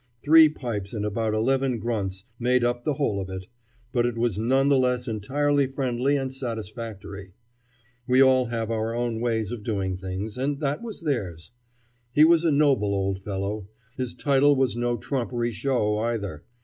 Three pipes and about eleven grunts made up the whole of it, but it was none the less entirely friendly and satisfactory. We all have our own ways of doing things, and that was theirs. He was a noble old fellow. His title was no trumpery show, either.